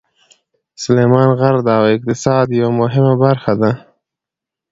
سلیمان غر د اقتصاد یوه مهمه برخه ده.